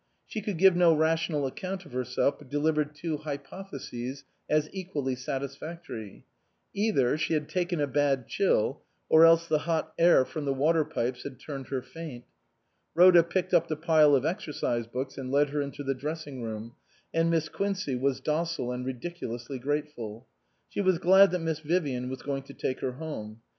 She could give no rational account of herself, but offered two hypotheses as equally satisfactory; either she had taken a bad chill, or else the hot air from the water pipes had turned her faint. Rhoda picked up the pile of exercise books and led her into the dressing room, and Miss Quincey was docile and ridicu lously grateful. She was glad that Miss Vivian was going to take her home.